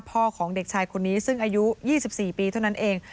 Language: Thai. ของเด็กชายคนนี้ซึ่งอายุ๒๔ปีเท่านั้นเอง